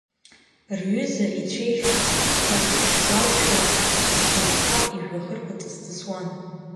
Рҩыза, ицәеижь дҭахьҭшьуазшәа, ишьамхқәа, ижәҩахырқәа ҵысҵысуан.